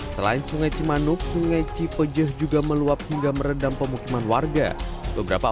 selain sungai cimanuk sungai cipejah juga meluap hingga meredam pemukiman warga beberapa